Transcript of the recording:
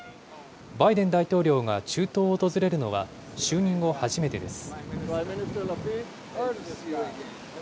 バイデン大統領が中東を訪れるのは、就任後初めてです。